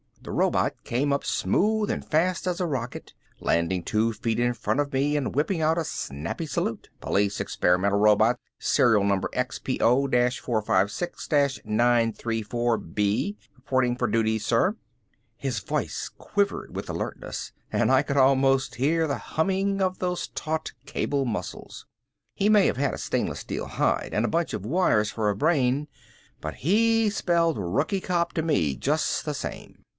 The robot came up smooth and fast as a rocket, landing two feet in front of me and whipping out a snappy salute. "Police Experimental Robot, serial number XPO 456 934B, reporting for duty, sir." His voice quivered with alertness and I could almost hear the humming of those taut cable muscles. He may have had a stainless steel hide and a bunch of wires for a brain but he spelled rookie cop to me just the same.